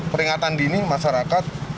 peringatan dini masyarakat